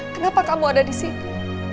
kenapa kamu ada disini